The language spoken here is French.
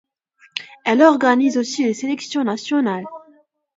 Elle organise aussi les sélections nationales.